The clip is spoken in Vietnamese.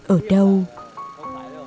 ở trong đồng đội